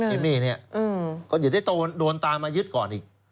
มี่เนี่ยก็อย่าได้โดนตามมายึดก่อนอีก